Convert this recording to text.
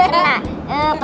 pesawat yang kena